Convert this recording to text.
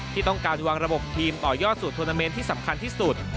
ที่ต้องการวางระบบทีมต่อยอดสู่โทรนาเมนต์ที่สำคัญที่สุด